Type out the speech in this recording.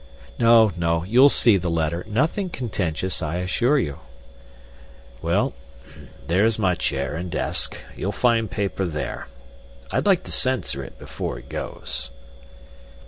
"No, no; you'll see the letter nothing contentious, I assure you." "Well, that's my chair and desk. You'll find paper there. I'd like to censor it before it goes."